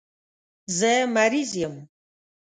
زه مریض یم.